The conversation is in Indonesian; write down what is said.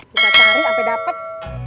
kita cari sampe dapet